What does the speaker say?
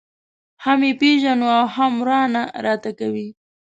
هم یې پېژنو او هم واره نه راته کوي.